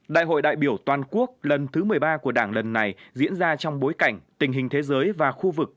đại hội đại biểu toàn quốc lần thứ một mươi ba của đảng lần này diễn ra trong bối cảnh tình hình thế giới và khu vực